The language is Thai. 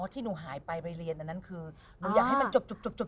ที่หนูหายไปไปเรียนอันนั้นคือหนูอยากให้มันจบ